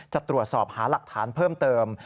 จะตรวจสอบหาหลักฐานเพิ่มเติม